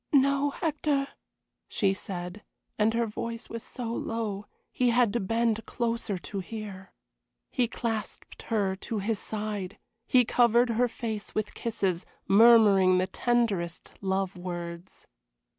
"No, Hector," she said, and her voice was so low he had to bend closer to hear. He clasped her to his side, he covered her face with kisses, murmuring the tenderest love words.